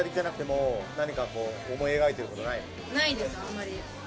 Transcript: あんまり。